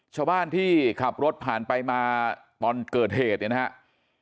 ชาวบ้านที่ขับรถผ่านไปมาตอนเกิดเหตุเนี่ยนะครับ